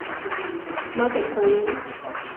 މަގުކޮނުން